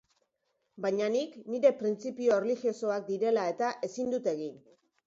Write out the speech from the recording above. Baina nik, nire printzipio erlijiosoak direla eta, ezin dut egin.